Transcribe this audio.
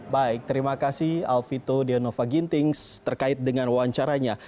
baik terima kasih alvito deonova gintings terkait dengan wawancaranya